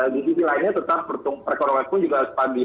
di sisi lainnya tetap perekonomian pun juga harus stabil